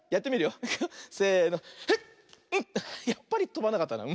やっぱりとばなかったな。